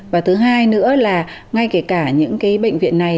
và thứ hai nữa là ngay kể cả những cái bệnh viện này